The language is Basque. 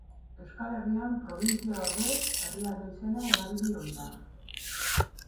Euskal Herrian probintzia ordez herrialde izena erabili ohi da.